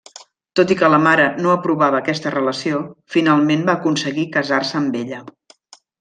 Tot i que la mare no aprovava aquesta relació, finalment va aconseguir casar-se amb ella.